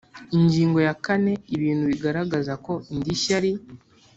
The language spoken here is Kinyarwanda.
Ingingo ya kane Ibintu bigaragaza ko indishyi ari